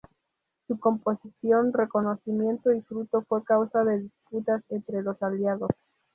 Su composición, reconocimiento y futuro fue causa de disputas entre los Aliados.